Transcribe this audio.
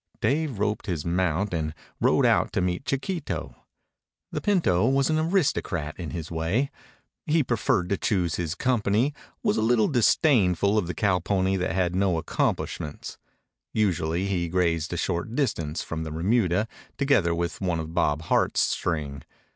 Dave roped his mount and rode out to meet Chiquito. The pinto was an aristocrat in his way. He preferred to choose his company, was a little disdainful of the cowpony that had no accomplishments. Usually he grazed a short distance from the remuda, together with one of Bob Hart's string.